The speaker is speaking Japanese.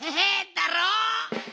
だろ？